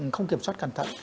không kiểm soát cẩn thận